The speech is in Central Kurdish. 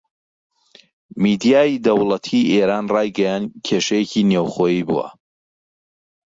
میدیای دەوڵەتی ئێران ڕایگەیاند کێشەیەکی نێوخۆیی بووە